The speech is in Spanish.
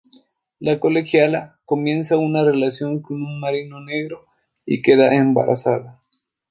La colegiala comienza una relación con un marino negro y queda embarazada.